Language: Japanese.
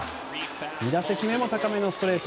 ２打席目も高めのストレート。